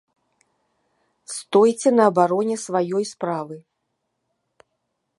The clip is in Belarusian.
Стойце на абароне сваёй справы!